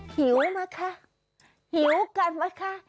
หิวมั้ยคะหิวกันมั้ยคะ